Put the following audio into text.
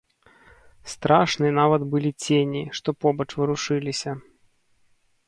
Страшны нават былі цені, што побач варушыліся.